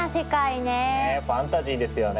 ねえファンタジーですよね。